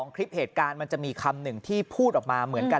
คลิปเหตุการณ์มันจะมีคำหนึ่งที่พูดออกมาเหมือนกัน